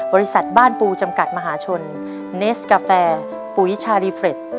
บริษัทบ้านปูจำกัดมหาชนเนสกาแฟปุ๋ยชารีเฟรด